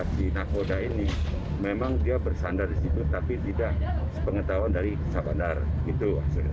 si nakoda ini memang dia bersandar di situ tapi tidak sepengetahuan dari sabandar itu